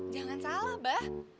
jangan salah baah